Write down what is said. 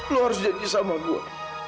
lu harus janji sama gua